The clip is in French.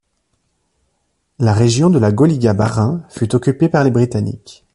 La région de la Gauliga Bas-Rhin fut occupée par les Britanniques.